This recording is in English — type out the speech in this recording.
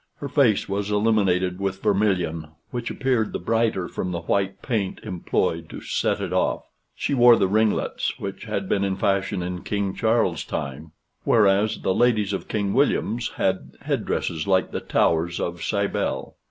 Her face was illuminated with vermilion, which appeared the brighter from the white paint employed to set it off. She wore the ringlets which had been in fashion in King Charles's time; whereas the ladies of King William's had head dresses like the towers of Cybele.